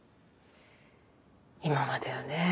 今まではね